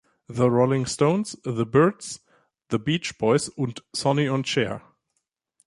The Rolling Stones, The Byrds, The Beach Boys und Sonny&Cher.